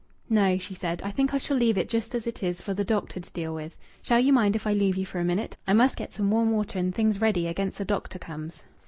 "No," she said. "I think I shall leave it just as it is for the doctor to deal with. Shall you mind if I leave you for a minute? I must get some warm water and things ready against the doctor comes."